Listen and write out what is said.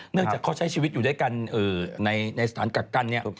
เนื่องจากเขาใช้ชีวิตอยู่ด้วยกันในสถานกักกันเนี่ย